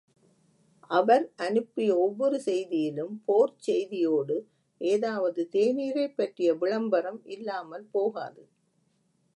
அவர் அனுப்பிய ஒவ்வொரு செய்தியிலும் போர்ச் செய்தியோடு ஏதாவது தேநீரைப் பற்றிய விளம்பரம் இல்லாமல் போகாது.